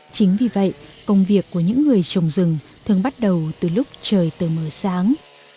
chính vì vậy công việc của những người trồng rừng thường bắt đầu từ lúc trời tờ mờ sáng